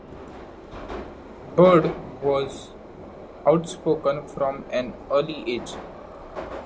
Bird was outspoken from an early age.